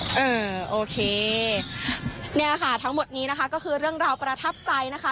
เออโอเคเนี่ยค่ะทั้งหมดนี้นะคะก็คือเรื่องราวประทับใจนะคะ